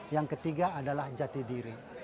yang ketiga adalah jati diri